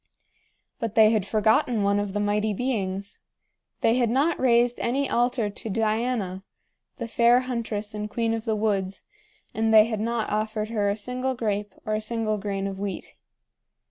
But they had forgotten one of the Mighty Beings. They had not raised any altar to Diana, the fair huntress and queen of the woods, and they had not offered her a single grape or a single grain of wheat.